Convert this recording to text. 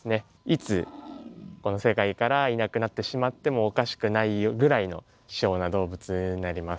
いつこの世界からいなくなってしまってもおかしくないぐらいの希少な動物になります。